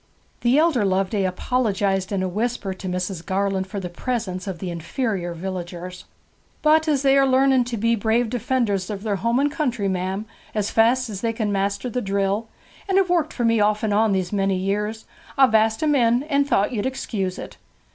The elder Loveday apologized in a whisper to Mrs. Garland for the presence of the inferior villagers. 'But as they are learning to be brave defenders of their home and country, ma'am, as fast as they can master the drill, and have worked for me off and on these many years, I've asked 'em in, and thought you'd excuse it.'